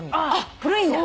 古いんだ。